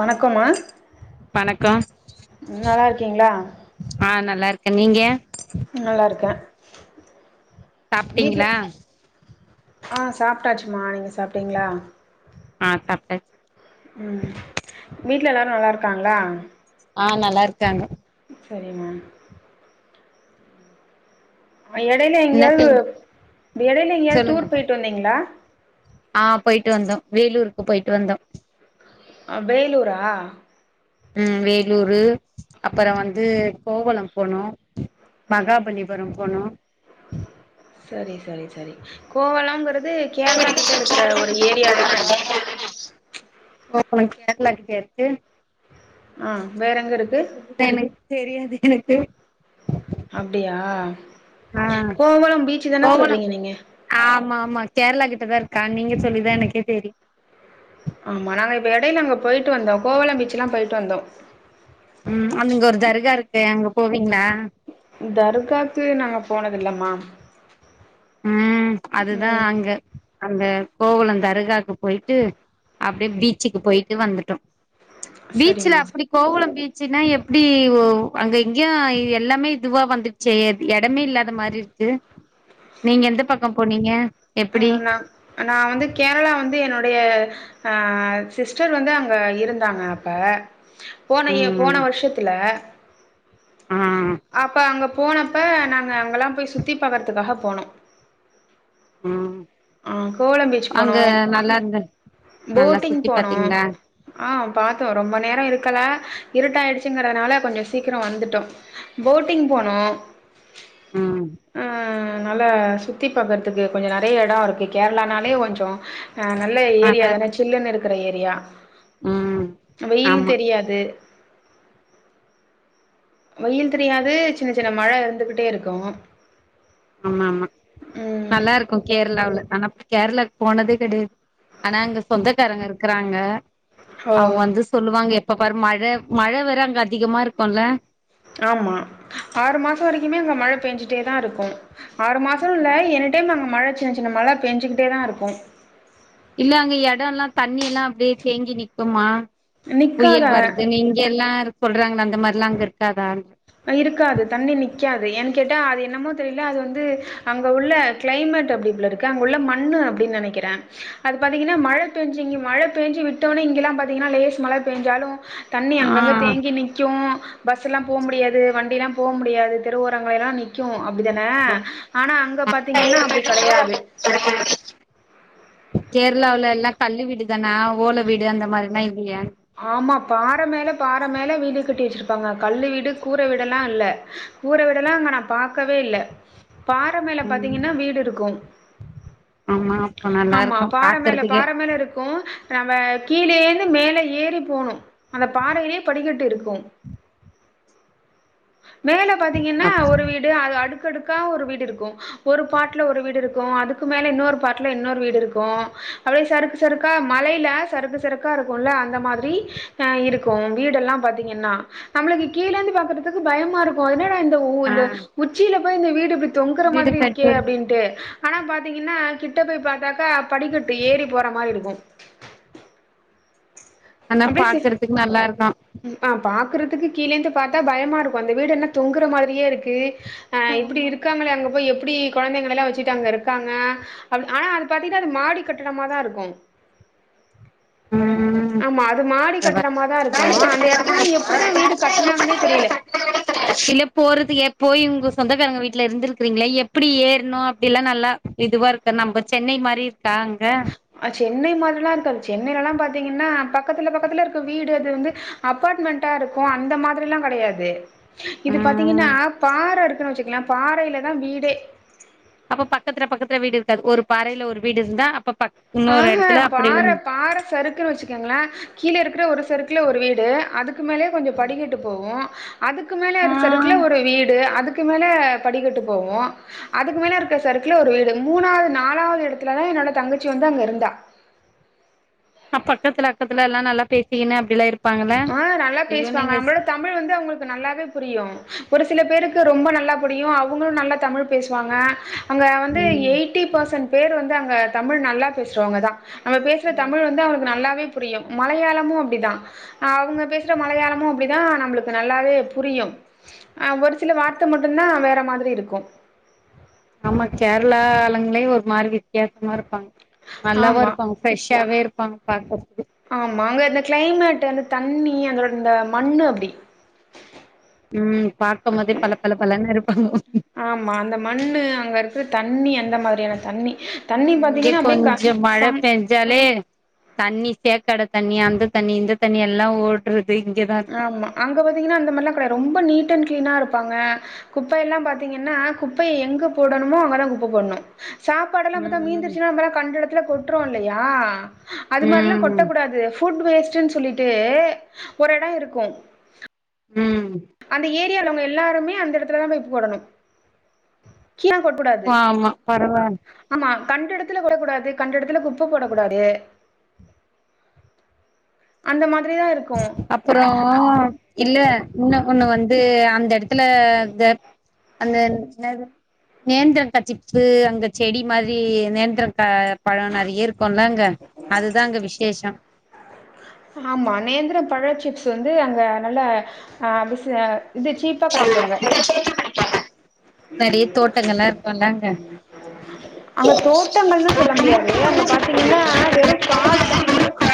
வணக்கமா வணக்கம் நல்லாருக்கீங்களா ஆ நல்லா இருக்கே நீங்க நல்லாருக்க வீட்ல சாப்ட்டீங்களா ஆ சாப்ட்டாச்சும்மா நீங்க சாப்ட்டீங்களா ஆ சாப்ட்ட ம் வீட்ல எல்லாரு நல்லாருக்காங்களா ஆ நல்லாருக்காங்க செரி மேம் எடயில என்ன எங்கயாவது செய் எடயில எங்கயாவது சொல்லுங்க டூர் போய்ட்டு வந்தீங்களா ஆ போய்ட்டு வந்தோ வேலுருக்கு போயிட்டு வந்தோ அ வேலூரா ம் வேலூரு அப்பறோ வந்து கோவலம் போனோ மகாபலிபுரம் போனோ செரி செரி செரி கோவலாங்கிறது கேரளா கிட்ட இருக்கற ஒரு ஏரியா தான கோவலம் கேரளா கிட்டயா இருக்கு அ வேற எங்கருக்கு எனக்கு தெரியாது எனக்கு அப்டியா ஆ கோவலம் பீச்சுதான கோவலம் சொல்றீங்க நீங்க ஆமா ஆமா கேரளா கிட்டதாருக்கா நீங்க சொல்லிதா எனக்கே தெரியு ஆமா நாங்க இப்ப இடய்ல அங்க போய்ட்டு வந்தோ கோவலம் பீச்சுலா போய்ட்டு வந்தோ ம் அங்க இங்க ஒரு தர்கா இருக்கு அங்க போவீங்ளா தர்க்காக்கு நாங்க போனது இல்லமா ம் அதுதா ம் அங்க அங்க கோவலம் தருகாக்கு போய்ட்டு அப்டி பீச்சுக்கு போய்ட்டு வந்துட்டோ சரிம்மா பீச்சுல அப்டி கோவளம் பீச்சுன்னா எப்டி அங்க எங்கியா எல்லாமே இதுவா வந்து செர் எடமே இல்லாத மாரிருக்கு நீங்க எந்த பக்கம் போனீங்க அ எப்டி நா நாவந்து கேரளா வந்து என்னுடய அ சிஸ்டர் வந்து அங்க இருந்தாங்க அப்ப போன யி ம் போன வர்ஷத்துல ஆ அப்ப அங்க போனப்ப நாங்க அங்களா போய் சுத்தி பாக்கறதுக்காக போனோ ம் ஆ கோவலம் பீச் போனோ அங்க நல்லா இருந்து நல்லா போட்டிங் சுத்தி போனோ பாத்தீங்களா ஆ பாத்தோ ரொம்ப நேரோ இருக்கல இருட்டாயிடுச்சுங்கறதுனால கொஞ்சோ சீக்கரோ வந்துட்டோ போட்டிங் போனோ ம் அ நல்லா சுத்தி பாக்கறதுக்கு கொஞ்சோ நெறைய எடோருக்கு இங்க கேர்ளானாலே கொஞ்சோ அ நல்ல நல்லா ஏரியாதான சில்லுன்னு இருக்கற ஏரியா ம் வெயில் ஆமா தெரியாது வெயில் தெரியாது சின்ன சின்ன மழ இருந்துகிட்டேருக்கு ஆமா ஆமா ம் நல்லாருக்கு கேர்ளாவுல ஆனா கேர்ளாக்கு போனதே கெடையாது ஆனா அங்க சொந்தக்காரங்க இருக்கறாங்க ஓ அவுங்க வந்து சொல்லுவாங்க எப்ப பாரு மழ மழ வேற அங்க அதிகமாருக்குல்ல ஆம்மா ஆறு மாசோ வரைக்குமே அங்க மழ பெஞ்சிட்டேதாருக்கு ஆறு மாசோனு இல்ல எனி டைம் அங்க மழ சின்ன சின்ன மழ பெஞ்சுக்கிட்டேதாருக்கு இல்ல அங்க எடல்லா தண்ணி எல்லா அப்டியே தேங்கி நிக்குமா புயல் நிக்காத வர்து இங்கெல்லா சொல்றாங்கள அந்த மாரிலா அங்க இருக்காதா இருக்காது தண்ணி நிக்காது ஏன் கேட்டா அது என்னமோ தெரியல அது வந்து அங்க உள்ள க்ளைமேட் அப்டி போலருக்கு அங்க உள்ள மண்ணு அப்டின்னு நெனைக்கிற அது பாத்தீங்னா மழ பேஞ்ச இங்க மழ பேஞ்சு விட்டோனே இங்கெல்லா பாத்தீங்னா லேஸ் மழ பேஞ்சாலு தண்ணி ஆ அங்கங்க தேங்கி நிக்கு பஸ்சுல்லா போ முடியாது து வண்டில்லா போ முடியாது தெருவோரங்களெலா நிக் கு அப்டிதான ஆனா அங்க பாத்தீங்னா அப்டி கெடையாது [inaudible] கேரளாவுல எல்லா கல்லு வீடு தானா ஓல வீடு அந்த மாரில்லா இல்லயா ஆமா பாற மேல பாற மேல வீடு கட்டி வச்ருப்பாங்க கல்லு வீடு கூர வீடல்லா இல்ல கூர வீடல்லா அங்க நா பாக்கவே இல்ல பாற மேல ம் பாத்தீங்கன்னா வீடு இருக்கும் ஆமா அப்ப நல்லா ஆம்மா இருக்கு பாற மேல பாக்குறதுக்கே பாற மேல இருக்கு நம்ம கீழேயிருந்து மேல ஏறி போணு அந்த பாறையிலே படிகட்டுருக்கு மேல பாத்தீங்கன்னா அப் ஒரு வீடு அது அடுக்கடுக்கா ஒரு வீடுருக்கு ஒரு பாட்ல ஒரு வீடுருக்கு அதுக்கு மேல இன்னொரு பாட்ல இன்னொரு வீடுருக்கு அப்டியே சருக் சருக்கா மலைல சருக்கு சருக்கா இருக்குல அந் அந்த மாரி இருக்கு வீடெல்லா பாத்தீங்கன்னா நம்ளுக்கு கீழேந்து பாக்றதுக்கு பயமாருக் என்னடா இந்த உ இந்த உச்சில போய் இந்த வீடு இப்டி தொங்ற வீடு மாதிரிருக்கே கட்டு அப்டின்ட்டு ஆனா பாத்தீங்ன்னா கிட்ட போய் பாத்தாக்கா படிக்கட்டு ஏறி போற மாரி இருக்கு ஆனா பாக்றதுக்கு நல்லாருக்கா ம் ஆ பாக்றதுக்கு கீழேந்து பாத்தா பயமாருக்கு அந்த வீடு என்ன தொங்ற மாரியேருக்கு ஆ இப்டி இருக்காங்ளே அங்க போய் எப்டி கொழந்தைங்களல்லா வச்சுட்டு அங்கருக்காங்க அப் ஆனா அது பாத்தீங்கனா அது மாடி கட்டடமாதாருக்கு ம் ஆமா அது மாடி [unintelligible] கட்டடமா தா இருக்கு அந்த எடத்துலலா எப்டிதா வீடு கட்னாங்கன்னே தெரியல சில போறது ஏ போய் உங்க சொந்தக்காரங்க வீட்ல இருந்துருக்கீங்ளே எப்டி ஏறணு அப்டில்லா நல்லா இதுவாருக்க நம்ம சென்னை மாரிருக்கா அங்க ஆ சென்னை மாரில்லாருக்காது சென்னையிலல்லா பாத்தீங்கனா பக்கத்துல பக்கத்துலருக்க வீடு அது வந்து அபார்ட்மெண்ட்டாருக்கு அந்த மாதிரில்லா கெடையாது இது பாத்தீங்கன்னா ம் பாற இருக்குனு வச்சுக்கங்லே பாறயிலதா வீடே அப்ப பக்கதுல பக்கதுல வீடு இருக்காது ஒரு பாறையில ஒரு வீடுருந்தா அப்ப பக் இன்னொரு ஆஹ எடத்துல அப்டி பாற பாற சறுக்குனு வச்சு கிங்ளா கீழருக்ற ஒரு சருக்ல ஒரு வீடு அதுக்கு மேலயே கொஞ்சோ படிகட்டு போவு அதுக்கு மேல ஆ ஒரு சருக்ல ஒரு வீடு அதுக்கு மேல படிகட்டு போவு அதுக்கு மேலருக்க சருக்குல ஒரு வீடு மூணாது நாலாவது இடத்துலதா என்னோட தங்கச்சி வந்து அங்க இருந்தா அப்பக்கத்துல அக்கத்துலல்லா நல்லா பேசின்னு அப்டில்லா இருப் ஆ நல்லா பேசுவாங்க நம்மளோட தமிழ் வந்து அவுங்ளுக்கு நல்லாவே புரியு ஒரு சில பேருக்கு ரொம்ப நல்லா புரியு அவுங்ளு நல்லா தமிழ் பேசுவாங்க அங்க வந்து ம் எயிட்டி பர்சன்ட் பேரு வந்து அங்க தமிழ் நல்லா பேசுறவங்கதா நம்ம பேசுற தமிழ் வந்து அவங்ளுக்கு நல்லாவே புரியு மலையாளமு அப்டிதா அ அவங்க பேசுற மலையாளமு அப்டிதா நம்ளுக்கு நல்லாவே புரியு ஆ ஒரு சில வார்த்த மட்டுதா வேற மாதிரிருக்கு ஆமா கேரளா ஆலுங்களே ஒரு மாரி வித்தியாசமாருப்பாங்க ஆமா நல்லாவுருப்பாங்க ஃப்ரெஷ்ஷாவே இருப்பாங்க பாக்றதுக்கு ஆமா அங்க இந்த கிளைமேட் அந்த தண்ணி அதோட இந்த மண்ணு அப்டி ம் பாக்கம் போதே பள பள பளனு இருப்பாங்க ஆமா அந்த மண்ணு அங்கருக்ற தண்ணி அந்த மாரியான தண்ணி தண்ணி பாத்தீங்கன்னா அப்டியே க இங்ககொஞ்சோ சம் மழப்பேஞ் ஞ்சாலே தண்ணி சேக்கட தண்ணி அந்த தண்ணி இந்த தண்ணி எல்லா ஓட் றது இங்கதான் ஆமா அங்க பாத்தீங்கன்னா அந்த மாரிலா கிடையா ரொம்ப நீட் அண்ட் கிளீனா இருப்பாங்க குப்பை எல்லா பாத்தீங்கன்னா குப்பைய எங்க போடணுமோ அங்கதா குப்ப போடணு சாப்பாடெல்லா பத்தா ம் மீந்துருச்சுனா நம்பெல்லா கண்ட எடத்துல கொட்றோ இல்லயா அது மாரிலா கொட்ட ம் கூடாது ஃபுட் வேஸ்ட்டுன்னு சொல்லிட்டு ஒரு எடோ இருக்கு ம் அந்த ஏரியால அவுங்க எல்லாருமே அந்த எடத்துலதா போய் போடணு கீயா கொட கூடாது ஆமா பரவால் ஆமா கண்ட எடத்துல ஓட கூடாது கண்ட எடத்துல குப்ப போட கூடாது அந்த மாதிரிதா இருக்கு அப்றோ இல்ல இன்னு ஒன்னு வந்து அந்த எடத்துல இந்த அந்த நே நேந்தரக்காய் சிப்ஸு அங்க செடி மாதிர நேந்தரக்கா பழ நெறைய இருக்கும்லங்க அதுதா அங்க விசேஷ ஆமா நேந்திர பழ சிப்ஸ் வந்து அங்க நல்ல ஆ அபிச இது சீப்பா கெடைக்கு அங்க நெறைய தோட்டங்கலா இருக்குல்லா அங்க அங்க தோட்டங்கள்னு சொல்ல முடியாது அங்க பாத்தீங்கன்னா வெறு காடுதா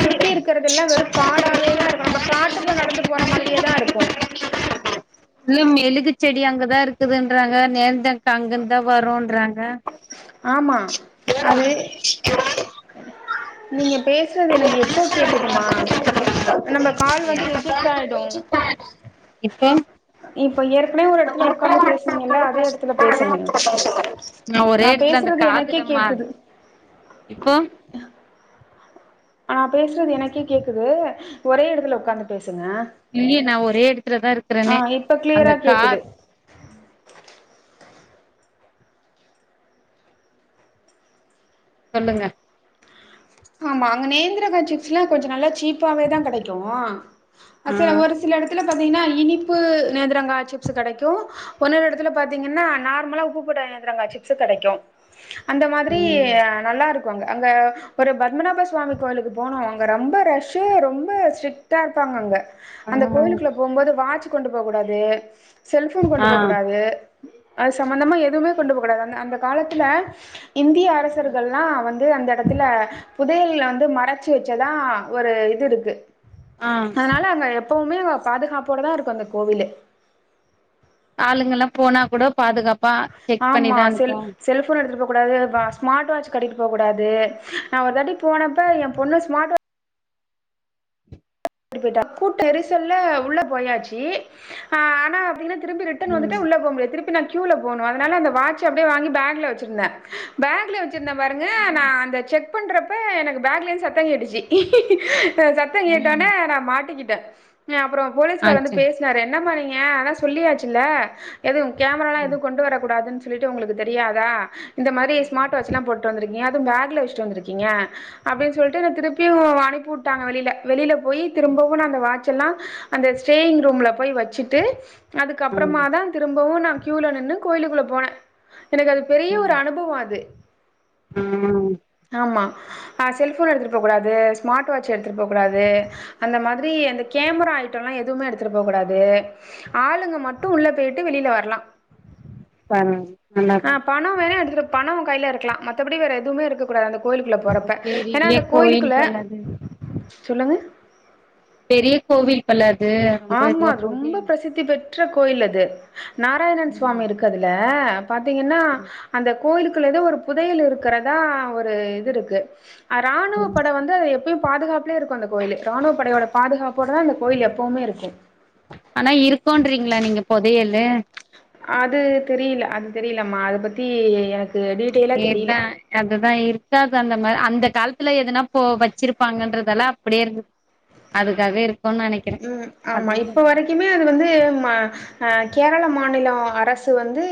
சுத்தி இருக்கறதெல்லா வெறு காடாவேதா இருக்கு நம்ம காட்டுக்குள்ள நடந்து போற மாதிரியே தா இருக்கு இல்ல மெழுகு செடி அங்கதா இருக்குதுன்றாங்க நேர்ந்த அங்கந்தா வருன்றாங்க ஆமா அது நீங்க பேசுறது எனக்கு எக்கோ கேக்குதுமா நம்ம கால் வந்து ரிஜெக்ட் ஆயிடு இப்போ இப்ப ஏற்கனவே ஒரு எடத்துல உக்காந்து பேசுனீங்கல்ல அதே எடத்துல பேசுங்க ஒரே நா எடத்துல அந்த பேசுறது எனக்கே காதுலமா கேக்குது இப்போ நா பேசறது எனக்கே கேக்குது ஒரே எடத்துல உக்காந்து பேசுங்க இல்லயே நா ஒரே எடத்துலதா ஆ இருக்கறனே இப்ப அந்த கிளியரா கேக்குது கார் சொல்லுங்க ஆமா அங்க நேந்திரக்கா சிப்ஸ்ல்லா கொஞ்சோ நல்லா சீப்பாவே தா கெடைக்கு ஆ அச் சேரி ஒரு சில எடத்துல பாத்தீங்கன்னா இனிப்பு நேந்தரங்காய சிப்ஸ் கெடைக்கு ஒன்னொரு இடத்துல பாத்தீங்கன்னா நார்மலா உப்பு போட்ற நேந்தறாங்க சிப்ஸ்ஸு கெடைக்கு அந்த மாதிரி ம் நல்லாருக்கு அங்க ஒரு பத்மநாப சுவாமி கோவிலுக்கு போனோ அங்க ரொம்ப ரஷ்ஷு ரொம்ப ஸ்ட்ரிக்ட்டா இருப்பாங்க அங்க ஆ அந்த கோயிலுக்குள்ள போகுபோது வாட்ச் கொண்டு போக கூடாது செல்போன் ஆ கொண்டு போக கூடாது அது சம்பந்தமா எதுவுமே கொண்டு போக்க கெடாயாது அந்த காலத்துல இந்திய அரசர்கல்லா வந்து அந்த இடத்துல புதயல்லல வந்து மறச்சு வெச்சதா ஒரு இது இருக்கு ஆ அதுனால அங்க எப் இப்போமே பாதுகாப்போடதா இருக்கு அந்த கோவிலு ஆளுங்கல்லா போனா கூட பாதுகாப்பா செக் ஆமா பண்ணிதா செல் அனுப்புவாங்க செல்போன் எடுத்துட்டு போக கூடாது ஸ்மார்ட் வாட்ச் கட்டிட்டு போகக் கூடாது நா ஒரு தாட்டி போனப்ப எ பொண்ணு ஸ்மார்ட் வாட்ச் ட்டிட்டு போய்ட்டா கூட்ட நெரிசல்ல உள்ள போயாச்சு ஆனா அப்டின்னு திரும்பி ரிட்டன் வந்துட்டா ம் உள்ள போ முடியாது திரும் திரும் ம்பி நா க்யுல போனு அதனால அந்த வாட்ச அப்டியே வாங்கி பேக்ல வெச்சிருந்தே பேக்ல வெச்சிருந்த பாருங்க நா அந்த செக் செக் பண்றப்ப எனக்கு பேக்லந்து சத்தங்கேட்டுச்சு சத்தங்கேட் ம் நேரா நா மாட்டிக்கிட்ட அப்றோ ஆ போலீஸ்கார் வந்து பேசி சாரு என்னமா நிங்க ஆனா சொல்லியாச்சுல்ல எதுவு கேமராலா செரி எதுவு கொண்டு வரக்கூடாதுன்னு சொல்லிட்டு உ‌‌ங்களுக்கு தெரியாதா இந்த மாரி ஸ்மார்ட் வாட்ச்லா போட்டு வந்திருக்கிங்க அதுவு பேக்ல வச்சுட்டு வந்துரு கிங்க அப்டின்னு சொல்லிட்டு என்ன திருப்பியு அனுப்பி விட்டாங்க வெளியில வெளியில போய் திரும்பவு நா அந்த வாட்ச் எல்லா அந்த ஸ்டேயிங் ரூம்ல போய் வச்சுட்டு அதுக்கு ஆ அப்புறமா தா திரும்பவு நா கியூல நின்னு கோயிலுக்குள்ள போனே எனக்கு அது பெரிய ஒரு அனுபவ அது ம் ஆமா அ செல்ஃபோன் எடுத்துட்டு போ கூடாது ஸ்மார்ட் வாட்ச் எடுத்துட்டு போ கூடாது அந்த மாதிரி அந்த கேமரா ஐட்ட எல்லா எதுவுமே எடுத்துட்டு போ கூடாது ஆளுங்க மட்டு உள்ள போய்ட்டு வெளில வர்லா பரவால்ல நல்லாதா பணம் வேணா எடுத்துட்டு பணம் கைல இருக்கலா மத்தபடி வேற எவுமே இருக்ககூடாது அந்த கோயிலுக்குள்ள அப்ப போறப்ப ஏன்னா பெரிய அந்த கோயில் கோயிலுக்குள்ள போல அது சொல்லுங்க பெரிய கோவில் கள் அது ரொம்ப ஆமா இதுவா போது ரொம்ப பிரசித்தி பெற்ற கோயில் அது நாராயணன் சுவாமி இரு க்கு அதுல பாத்திங்கனா அந்த கோயிலுக்குள்ள ஏதோ ஒரு புதையல் இருக்கிறதா ஒரு இது இருக்கு அது ராணுவ ம் படை வந்து அது எப்பயு பாதுகாப்புலயே இருக்கு அந்த கோயிலு ராணுவ படையோட பாதுகாப்போட தா அந்த கோயில் எப் பவுமே இருக்கு ஆனா இருக்குன்றீங்களா நீங்க பொதையலு அது தெரியில அது தெரியிலமா அத பத்தி எனக்கு டீ ஏதா அதுதா இருக்காது அந்த மா அந்த காலத்துல எதனா போ வச்சிருப்பாங்கன்றதால அப்டியே இருக்கு அதுக்காகவே இருக்குன்னு நெனைக் ம் ஆமா இப்ப வரைக்குமே அது வந்து மா ஆ கேரள மாநிலோ அரசு வந்து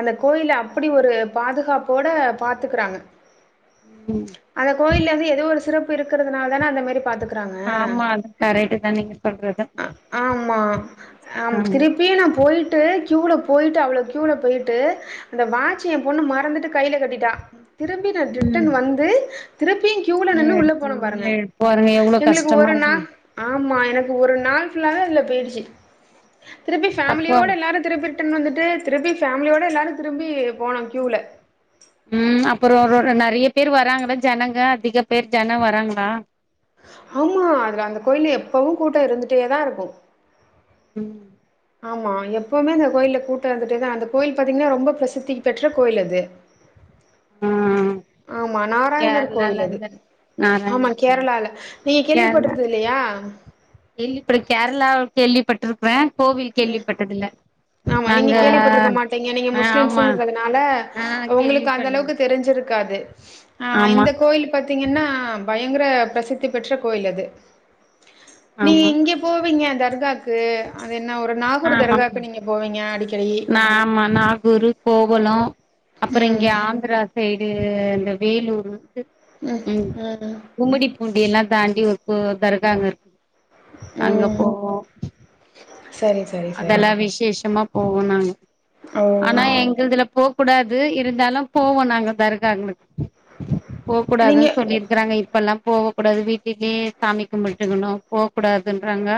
அந்த கோயில அப்டி ஒரு பாதுகாப்போட பாத்துக்குறாங்க ம் அந்த கோயில்ல வந்து எதோ ஒரு சிறப்பு இருக்கிறதுனால தான அந்த மாரி பாத்துக்க ஆமா அது கரெக்ட்டு தா நீங்க சொல்றது ஆமா ஆ திரி ப்பியு நா போய்ட்டு க்யூவுல போய்ட்டு அவ்ளோ க்யூவுல போய்ட்டு அந்த வாட்சு எ பொண்ணு மறந்துட்டு கையில கட்டிட்டா திரும்பி நா ரிட்டன் வந்து திருப்பியு கியூல நின்னு உள்ள போனே பாருங்க பாருங்க எவ்ளோ எங்களுக்கு கஷ்டமா ஒரு இருக்கு நாள் ஆமா எனக்கு ஒரு நாள் ஃபுல்லாவே அதுல போய்டுச்சு திருப்பி அப்போ ஃபேமிலியோட எல்லாரு திருப்பி ரிட்டன் வந்துட்டு திருப்பி ஃபேமிலியோடு எல்லாரு திரும்பி போனோ கியூல ம் அப்பறோ ரோ நெறைய பேர் வராங்களா ஜனங்க அதிக பேர் ஜனோ வராங்களா ஆமா அதில அந்த கோயில் எப்போவு கூட்ட இருந்துட்டே தா இருக்கு ம் ஆமா எப்போவுமே அந்த கோயில்ல கூட்டொ இருந்துட்டே தா அந்த கோயில் பாத்தீங்கன்னா ரொம்ப பிரசித்தி பெற்ற கோயில் அது ம் ஆமா நா நாராயணர் கேரளால கோவில் அது இருந்து நாராயண ஆமா கேரளால நீங்க கேரளா கேள்விப்பட்டுறது இல்லையா கேள்விப்ப கேரளாவ கேள்விப்பட்டிருக்குறே கோவில் கேள்விப்பட்டது இல்ல ஆமா நீங்க கேள்விப்பட்டுருக்க மாட்டீங்க நீங்க ஆமா முஸ்லிம்ஸுங்கரதுனால ஆ உங்களுக்கு அந்த கேள்விப்பட்ல அளவுக்கு தெரிஞ்சிருக் காது அ ஆமா இந்த கோயில் பத்தீங்கன்னா பயங்குர பிரசித்தி பெற்ற கோயில் அது நீங்க ஆமா இங்க போவிங்க தர்காக்கு அது என்னா ஊரு நாகூர் ஆமா தர்காக்கு நீங்க போவிங்க அடிக்கடி நா ஆமா நாகூரு போகலு அப்புற இங்க ம் ஆந்திரா சைடு இந்த வேலூரு ம் அ அ கும்முடிபூண்டி எல்லா தாண்டி ஒரு கு தர்கா அங்க இருக் அங்க போவோ சரிஸ் அதல்லா விசேஷமா போவோ நாங்க ஓ ஆன எங் இல்துல போக்கூடாது இருந்தாலு போவோ நாங்க தர்காங்ளுக்கு நீங்க போக்கூடாதுன் சொல்லிர்க்குறாங்க இப் பல்லா போவ கூடாது வீட்டுல்யே சாமி கும்புட்டுக்குணு போக்கூடாதுன்றாங்க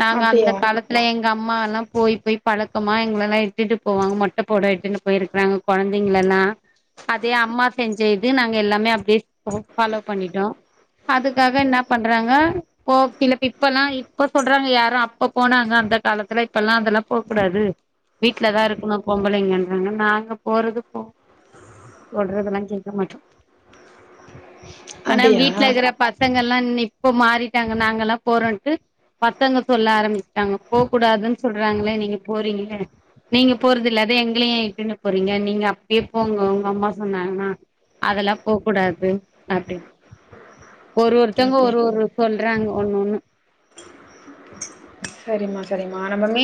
நாங்க அந்த அப்டியா காலத்துல எங் எங்க அம்மாலா போய் போய் பழக்கமா எங்லல்லா இட்டுட்டு போவாங்க மொட்ட போட இட்டுட்னு போய்ருக் றாங்க கொழந்தைங்கலல்லா அதே அம்மா செஞ்ச இது நாங்க எல்லாமே அப்டே ஃபாலோ பண்ணிட்டோ அதுக்காக இன்னா பண்றாங்க போ சிலப் இப்பலா இப்ப சொல்றாங்க யாரு அப்ப போனாங்க அந்த காலத்துல இப்பல்லா அதல்லா போக்கூடாது வீட்ல தா இருக்குணு பொம்பளைங்கன்றாங்க நாங்க போறது போ சொல்றதுல்லா கேட்க மாட்டோ ஆனா அப்டியா வீட்லக்குற பசங்கல்லா ன் இப்ப மாறிட்டாங்க நாங்கள்லா போறோன்ட்டு பசங்க சொல்ல ஆரம்மிச்டாங்க போ கூடாதுன் சொல்றாகளே நீங்க போறீங்ளே நீங்க போறது இல்லாத எங்களயு ஏ இட்டுனு போறீங்க நீங்க அப்டியே போங்க உங் அம்மா சொன்னாங்னா அதல்லா போக்கூடாது அப்டின் ஒரு ஒருத்தொவ்ங்க அப்டியா ஒரு ஒரு சொல்றாங்க ஒன்னு ஒன்னு சரிம்மா சரிம்மா நம்ம மீ